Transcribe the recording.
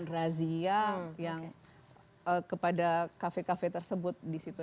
razia yang kepada kafe kafe tersebut disitu